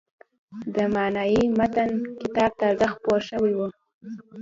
د «معنای متن» کتاب تازه خپور شوی و.